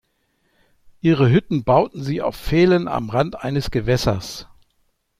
Ihre Hütten bauten sie auf Pfählen am Rand eines Gewässers.